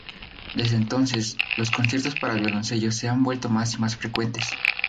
Desde entonces, los conciertos para violoncello se han vuelto más y más frecuentes.